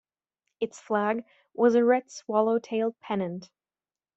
Its flag was a red swallow-tailed pennant.